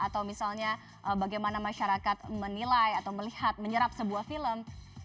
atau misalnya bagaimana masyarakat menilai atau melihat menyerap sebuah film